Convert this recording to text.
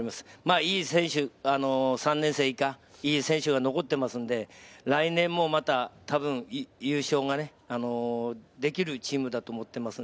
いい選手、３年生以下、いい選手が残っていますので、来年もまた多分優勝ができるチームだと思っています。